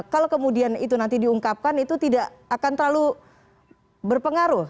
kalau kemudian itu nanti diungkapkan itu tidak akan terlalu berpengaruh